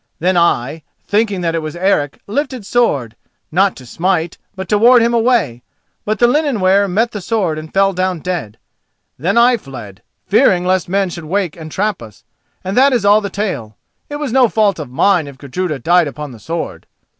Then I, thinking that it was Eric, lifted sword, not to smite, but to ward him away; but the linen wearer met the sword and fell down dead. Then I fled, fearing lest men should wake and trap us, and that is all the tale. It was no fault of mine if Gudruda died upon the sword."